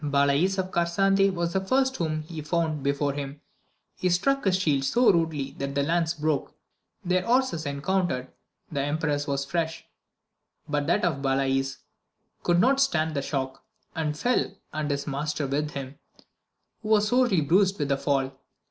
Balays of Carsante was the first whom he found before . him ; he struck his shield so rudely that the lance broke ; their horses encountered, the emperor^s was fresh, but that of Balays could not stand the shock, aud fell and his master with him, who was sorely bruised with the fall.